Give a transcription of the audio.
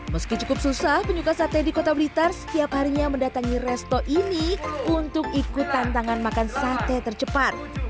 meski cukup susah penyuka sate di kota blitar setiap harinya mendatangi resto ini untuk ikut tantangan makan sate tercepat